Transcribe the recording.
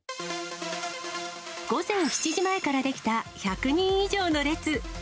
午前７時前から出来た１００人以上の列。